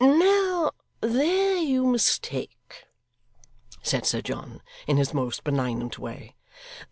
'Now, there you mistake,' said Sir John, in his most benignant way.